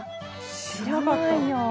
知らないよ。